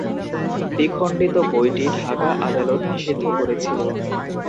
দ্বিখণ্ডিত বইটি ঢাকা আদালত নিষিদ্ধ করেছিলো।